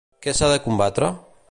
Què s'ha de combatre?